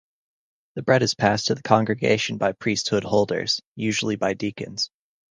The bread is passed to the congregation by priesthood holders, usually by deacons.